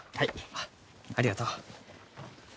あっありがとう。